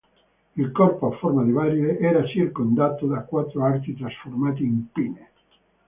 Il corpo a forma di barile era circondato da quattro arti trasformati in pinne.